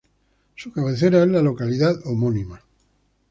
Su cabecera es la localidad homónima.